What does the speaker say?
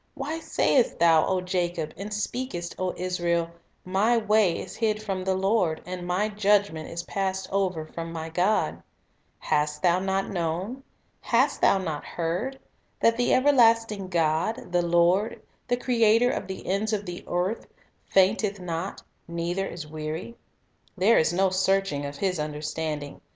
Why sayest thou, O Jacob, and speakest, O Israel, My way is hid from the Lord, and my judgment 'Gen. 9:16. Job 33:24. 8 Isa. 54 : 9, 10. n6 Nature Teaching "I Will Help Thee" is passed over from my God? Hast thou not known? hast thou not heard, that the everlasting God, the Lord, the Creator of the ends of the earth, fainteth not, neither is weary? there is no searching of His understanding.